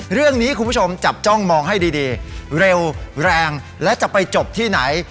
คุณผู้ชมจับจ้องมองให้ดีเร็วแรงและจะไปจบที่ไหน